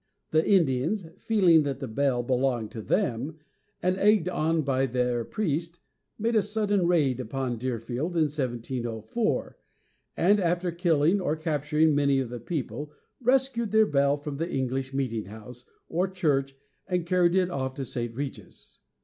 The Indians, feeling that the bell belonged to them, and egged on by their priest, made a sudden raid upon Deerfield, in 1704, and, after killing or capturing many of the people, rescued their bell from the English meetinghouse, or church, and carried it off to St. Regis.